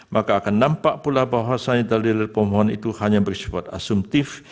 maka akan nampak pula bahwasannya dalil pemohon itu hanya bersifat asumtif